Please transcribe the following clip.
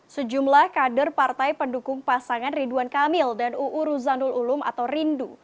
sejumlah kader partai pendukung pasangan ridwan kamil dan uu ruzanul ulum atau rindu